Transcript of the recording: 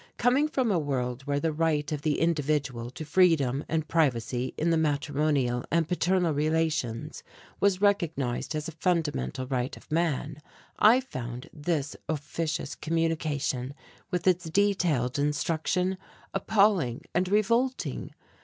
Coming from a world where the right of the individual to freedom and privacy in the matrimonial and paternal relations was recognized as a fundamental right of man, I found this officious communication, with its detailed instruction, appalling and revolting.